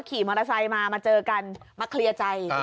ขี่มอเตอร์ไซค์มามาเจอกันมาเคลียร์ใจ